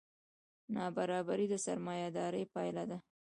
نابرابري د سرمایهدارۍ پایله ده.